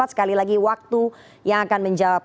sekali lagi waktu yang akan menjawab